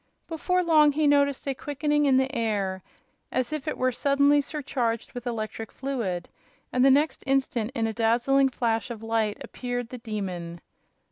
Before long he noticed a quickening in the air, as if it were suddenly surcharged with electric fluid, and the next instant, in a dazzling flash of light, appeared the Demon.